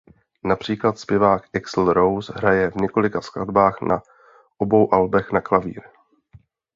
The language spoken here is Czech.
Například zpěvák Axl Rose hraje v několika skladbách na obou albech na klavír.